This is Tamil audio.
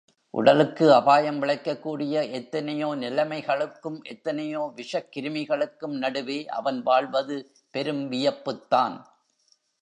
உடலுக்கு அபாயம் விளைக்கக் கூடிய எத்தனையோ நிலைமைகளுக்கும், எத்தனையோ விஷக் கிருமிகளுக்கும் நடுவே, அவன் வாழ்வது பெரும் வியப்புத்தான்.